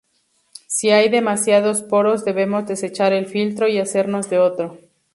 Si hay demasiados poros debemos desechar el filtro y hacernos de otro.